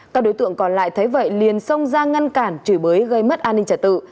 các đối tượng còn lại thấy vậy liền xông ra ngăn cản chửi bới gây mất an ninh trả tự